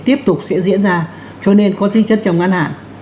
tiếp tục sẽ diễn ra cho nên có tính chất trồng ngăn hạn